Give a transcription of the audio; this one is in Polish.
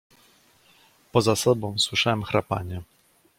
"Poza sobą słyszałem chrapanie."